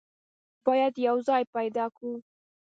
بايد يو ځای پيدا کو.